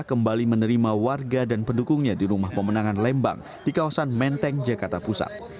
kembali menerima warga dan pendukungnya di rumah pemenangan lembang di kawasan menteng jakarta pusat